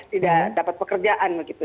tidak dapat pekerjaan begitu